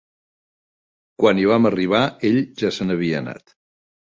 Quan hi vam arribar, ell ja se n'havia anat.